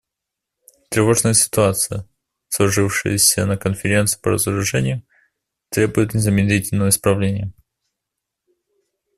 Тревожная ситуация, сложившаяся на Конференции по разоружению, требует незамедлительного исправления.